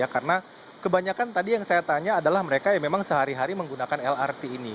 karena kebanyakan tadi yang saya tanya adalah mereka yang memang sehari hari menggunakan lrt ini